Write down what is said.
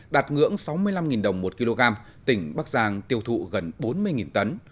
đạt ngưỡng sáu mươi năm đồng một kg tỉnh bắc giang tiêu thụ gần bốn mươi tấn